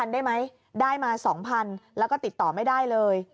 ได้ไหมได้มา๒๐๐๐แล้วก็ติดต่อไม่ได้เลย